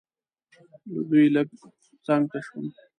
له دوی لږ څنګ ته شوم.